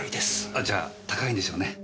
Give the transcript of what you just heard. あじゃあ高いんでしょうね。